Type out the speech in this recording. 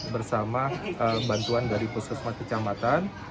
bersama bantuan dari puskesmas kecamatan